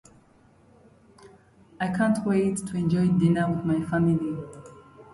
Most migrants consisted of young families; there were very few elderly among them.